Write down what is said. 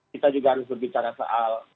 kita juga harus berbicara soal